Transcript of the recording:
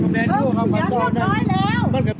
แบบว่าแบบ